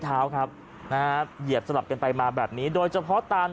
เท้าครับนะฮะเหยียบสลับกันไปมาแบบนี้โดยเฉพาะตาม